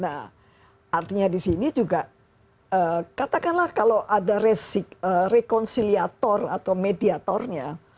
nah artinya di sini juga katakanlah kalau ada rekonsiliator atau mediatornya